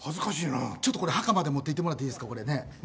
これ、墓まで持っていってもらっていいですかね。